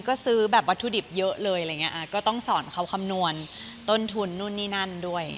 ก็ซื้อแบบวัตถุดิบเยอะเลยอะไรอย่างเงี้ยก็ต้องสอนเขาคำนวณต้นทุนนู่นนี่นั่นด้วย